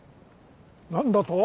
何だと？